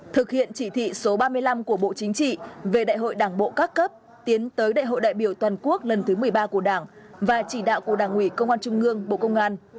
thực hiện chỉ thị số ba mươi năm của bộ chính trị về đại hội đảng bộ các cấp tiến tới đại hội đại biểu toàn quốc lần thứ một mươi ba của đảng và chỉ đạo của đảng ủy công an trung ương bộ công an